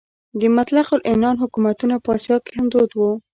د مطلق العنان حکومتونه په اسیا کې هم دود وو.